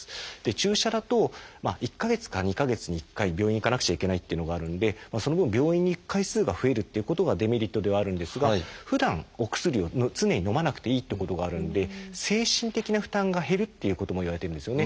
注射だと１か月か２か月に１回病院へ行かなくちゃいけないっていうのがあるんでその分病院に行く回数が増えるということがデメリットではあるんですがふだんお薬を常にのまなくていいっていうことがあるんで精神的な負担が減るっていうこともいわれてるんですよね。